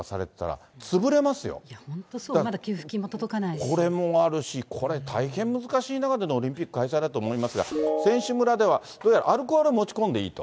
本当そう、まだ給付金も届かないし。これもあるし、これ大変難しい中でのオリンピック開催だと思いますが、選手村ではどうやらアルコールは持ち込んでもいいと。